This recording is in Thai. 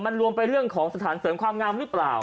มันรวมไปเรื่องของสถานเสริมความงามหรือเปล่า